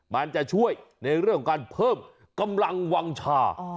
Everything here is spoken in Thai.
มันจะช่วยในเรื่องของการเพิ่มกำลังวางชา